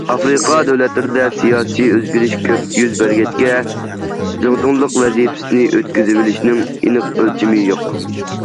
ئافرىقا دۆلەتلىرىدە سىياسىي ئۆزگىرىش كۆپ يۈز بەرگەچكە، زۇڭتۇڭلۇق ۋەزىپىسىنى ئۆتكۈزۈۋېلىشنىڭ ئېنىق ئۆلچىمى يوق.